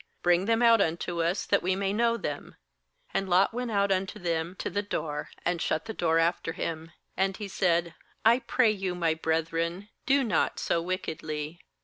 bring them out unto us, that we may know them.' 6And Lot went out unto them to the door, and shut the door after him. 7And he said: 'I pray you, my brethren, do not so wickedly.